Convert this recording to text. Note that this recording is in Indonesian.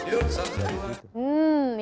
yuk salam sejahtera